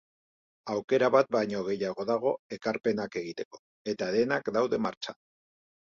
Aukera bat baino gehiago dago ekarpenak egiteko, eta denak daude martxan.